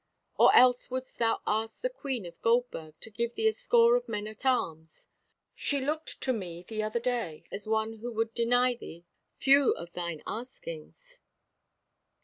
Or else wouldst thou ask the Queen of Goldburg to give thee a score of men at arms; she looked to me the other day as one who would deny thee few of thine askings."